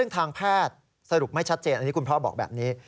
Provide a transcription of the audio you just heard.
ซึ่งทางแพทย์สรุปไม่ชัดเจนอันนี้คุณพ่อบอกแบบนี้